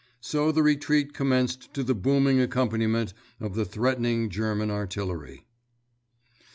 So the retreat commenced to the booming accompaniment of the threatening German artillery.